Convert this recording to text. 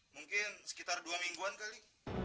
mungkin sekitar dua mingguan kali